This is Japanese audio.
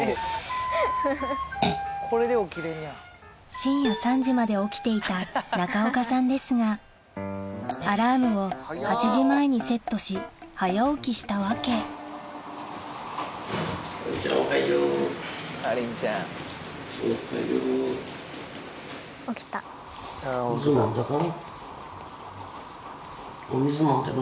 深夜３時まで起きていた中岡さんですがアラームを８時前にセットし早起きした訳おっはよう。